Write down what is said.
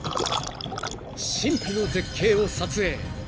［神秘の絶景を撮影。